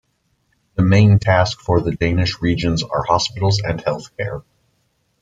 The main task for the Danish regions are hospitals and healthcare.